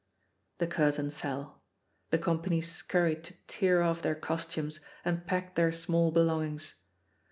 The curtain fell. The company scurried to tear off their costumes and pack their small be longings.